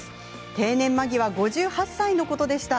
定年間際、５８歳のことでした。